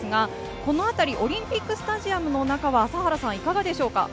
このあたりオリンピックスタジアムの中は朝原さん、いかがでしょうか？